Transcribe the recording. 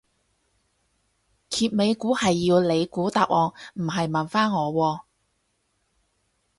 揭尾故係你要估答案唔係問返我喎